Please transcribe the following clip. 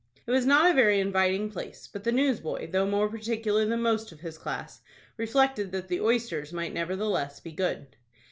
It was not a very inviting place, but the newsboy, though more particular than most of his class, reflected that the oysters might nevertheless be good.